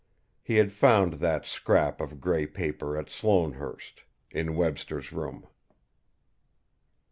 He had found that scrap of grey paper at Sloanehurst, in Webster's room.